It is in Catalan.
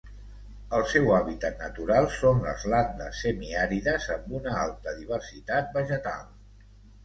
El seu hàbitat natural són les landes semiàrides amb una alta diversitat vegetal.